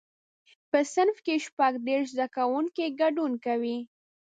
په صنف کې شپږ دیرش زده کوونکي ګډون کوي.